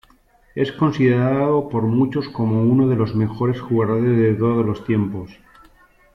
Es considerado por muchos como uno de los mejores jugadores de todos los tiempos.